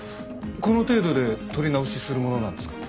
この程度で撮り直しするものなんですか？